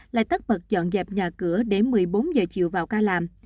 lại tất bật dọn dẹp nhà cửa để một mươi bốn giờ chiều vào ca làm